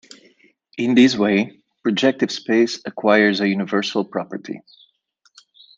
In this way, projective space acquires a universal property.